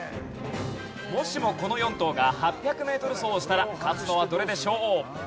もしもこの４頭が８００メートル走をしたら勝つのはどれでしょう？